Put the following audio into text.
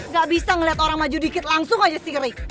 gak bisa ngeliat orang maju dikit langsung aja sih ngeri